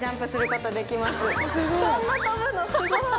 すごい！